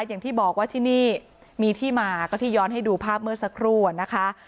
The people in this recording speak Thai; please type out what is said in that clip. อย่างที่บอกว่าที่นี่มีที่มาก็ที่ย้อนให้ดูภาพเมื่อสักครู่อะนะคะ